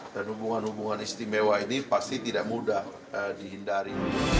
dan hubungan hubungan istimewa ini pasti tidak mudah dihindari